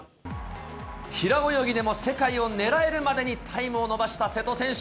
平泳ぎでも世界を狙えるまでにタイムを伸ばした瀬戸選手。